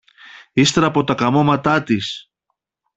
ύστερα από τα καμώματα της!